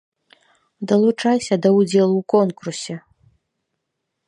Далучайся да ўдзелу ў конкурсе!